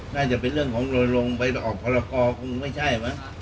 น่าจะเป็นเรื่องของโรยลงไปออกพรกรคงไม่ใช่มั้ง